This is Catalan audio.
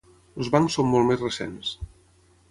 Els bancs són molt més recents.